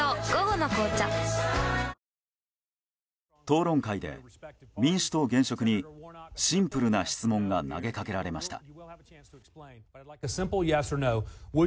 討論会で民主党現職にシンプルな質問が投げかけられました。